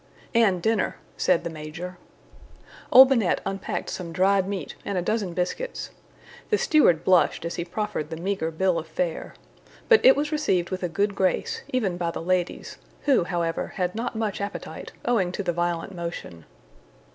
"And dinner," said the Major. Olbinett unpacked some dried meat and a dozen biscuits. The steward blushed as he proffered the meager bill of fare. But it was received with a good grace, even by the ladies, who, however, had not much appetite, owing to the violent motion.